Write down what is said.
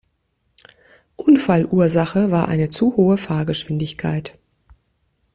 Unfallursache war eine zu hohe Fahrgeschwindigkeit.